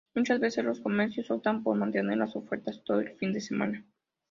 Muchas veces los comercios optan por mantener las ofertas todo el fin de semana.